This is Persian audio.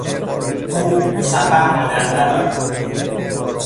او به سفر عادت ندارد.